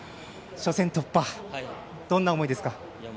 初戦突破どんな思いですか？